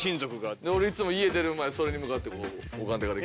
俺いつも家出る前それに向かって拝んでから。